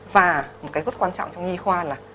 và một cái rất quan trọng trong nhi khoa là